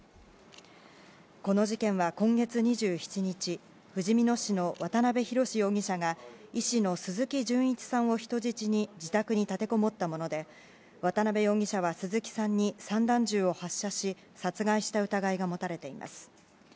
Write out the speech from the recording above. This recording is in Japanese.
この事件は今月２７日ふじみ野市の渡辺宏容疑者が医師の鈴木純一さんを人質に自宅に立てこもったもので渡辺容疑者は鈴木さんに散弾銃を発射し殺害した疑いが持たれています。